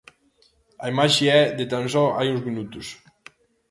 A imaxe é de tan só hai uns minutos.